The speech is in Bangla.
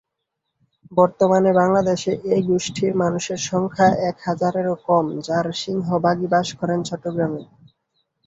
বর্তমানে বাংলাদেশে এ গোষ্ঠীর মানুষের সংখ্যা এক হাজারেরও কম, যার সিংহভাগই বাস করেন চট্টগ্রামে।